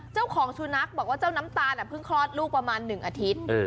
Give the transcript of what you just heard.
เจ้าของสุนัขบอกว่าเจ้าน้ำตาลเพิ่งคลอดลูกประมาณ๑อาทิตย์